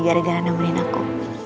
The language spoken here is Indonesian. gara gara nemenin aku